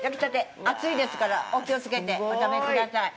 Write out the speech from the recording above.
熱いですから、お気をつけてお食べください。